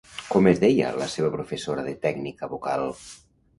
Com es deia la seva professora de tècnica vocal?